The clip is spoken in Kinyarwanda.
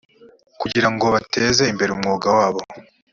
kugira ngo bateze imbere umwuga wabo